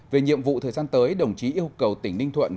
về nhiệm vụ thời gian tới đồng chí yêu cầu tỉnh ninh thuận